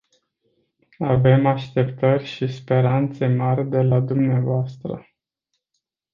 Avem așteptări și speranțe mari de la dumneavoastră.